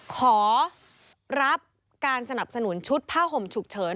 ขอรับการสนับสนุนชุดผ้าห่มฉุกเฉิน